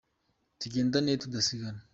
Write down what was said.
tugendane tudasigana.